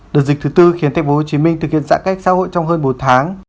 đợt dịch thứ bốn khiến tp hcm thực hiện giãn cách xã hội trong hơn bốn tháng